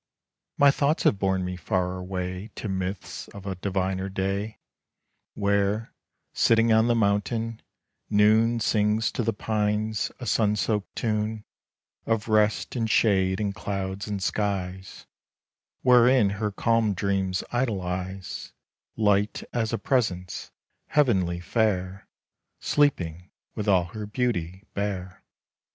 My thoughts have borne me far away To Myths of a diviner day, Where, sitting on the mountain, NOON Sings to the pines a sun soaked tune Of rest and shade and clouds and skies, Wherein her calm dreams idealize Light as a presence, heavenly fair, Sleeping with all her beauty bare.